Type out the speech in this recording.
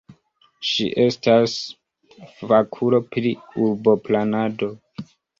Ŝi estas fakulo pri urboplanado.